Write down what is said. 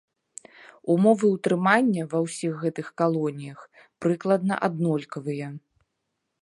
Умовы ўтрымання ва ўсіх гэтых калоніях прыкладна аднолькавыя.